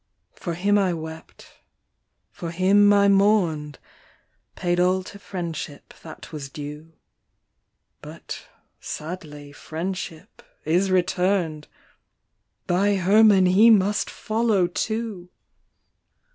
" For him I wept, for him I mourn'd, Paid all to friendship that was due ; But sadly friendship is return' d, Thy Herman he must follow too!